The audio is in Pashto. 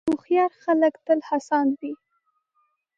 هوښیار خلک تل هڅاند وي.